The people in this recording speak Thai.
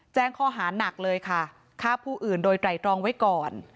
แจ้งข้อหานักเลยค่ะฆ่าผู้อื่นโดยไตรตรองไว้ก่อน